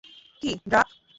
কী, ড্রাক?